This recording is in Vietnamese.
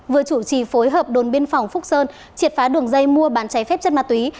vừa chủ trì phối hợp đồn biên phòng phúc sơn triệt phá đường dây mua bán cháy phép chất ma túy